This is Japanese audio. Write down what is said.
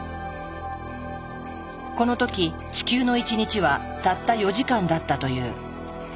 この時地球の１日はたった４時間だったという。